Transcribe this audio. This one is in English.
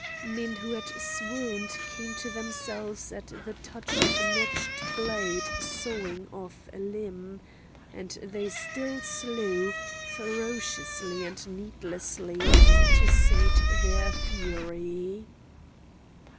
Men who had swooned came to themselves at the touch of a notched blade sawing off a limb;—and they still slew, ferociously and needlessly, to sate their fury.